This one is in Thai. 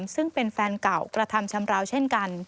ซึ่งเป็นแฟนเก่ากระทำชำราวเช่นกัน